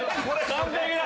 完璧だ！